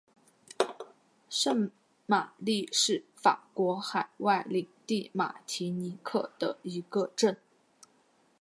圣玛丽是法国海外领地马提尼克的一个镇。